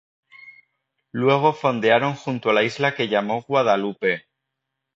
Luego fondearon junto a la isla que llamó Guadalupe.